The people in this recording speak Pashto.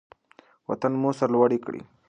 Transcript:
وطن مو سرلوړی کړئ.